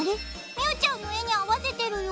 みゅーちゃんの絵に合わせてるよ。